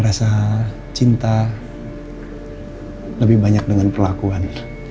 rasa cinta lebih banyak dengan perlakuan